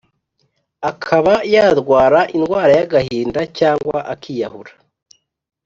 akaba yarwara indwara y’agahinda cyangwa akiyahura.